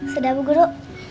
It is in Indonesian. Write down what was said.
sedaah bu guru